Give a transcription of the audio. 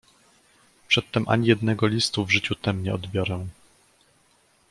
"Przedtem ani jednego listu w życiu tem nie odbiorę."